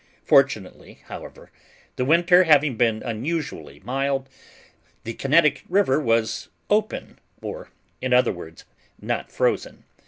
Fortunately, however, the winter having been unusually mild, the Connecticut River was 'open,' or, in other words, not frozen.